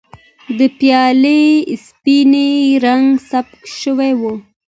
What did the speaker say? د پیالې سپین رنګ سپک شوی و.